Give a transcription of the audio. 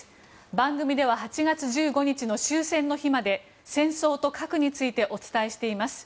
番組では８月１５日の終戦の日まで戦争と核についてお伝えしています。